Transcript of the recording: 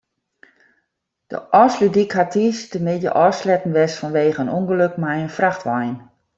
De Ofslútdyk hat tiisdeitemiddei ôfsletten west fanwegen in ûngelok mei in frachtwein.